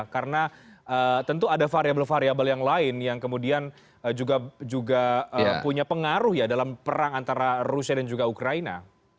karena tentu ada variabel variabel yang lain yang kemudian juga punya pengaruh ya dalam perang antara rusia dan juga ukraina